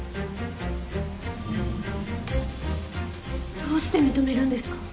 どうして認めるんですか！？